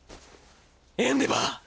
エンデヴァー！